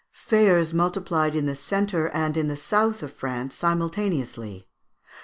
Fairs multiplied in the centre and in the south of France simultaneously.